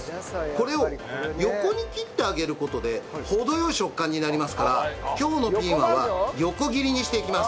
これを横に切ってあげる事で程良い食感になりますから今日のピーマンは横切りにしていきます。